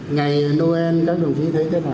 ngày noel các đồng chí thấy thế nào